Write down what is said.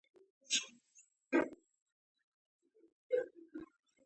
د کړکېو شاته رنګونو پسرلي زیږولي